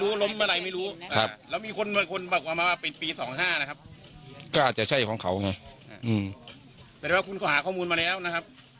คล้ายตะเคียนคล้ายตะเคียนหินคล้ายตะเคียนหินก็มี